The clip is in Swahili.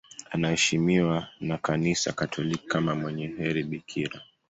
Anaheshimiwa na Kanisa Katoliki kama mwenye heri bikira.